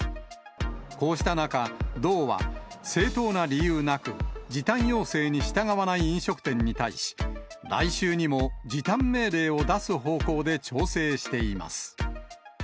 こうした中、道は正当な理由なく時短要請に従わない飲食店に対し、来週にも時短命令を出す方向で調整しています。